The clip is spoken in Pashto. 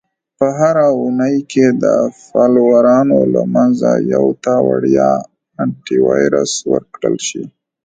- په هره اونۍ کې د فالوورانو له منځه یو ته وړیا Antivirus ورکړل شي.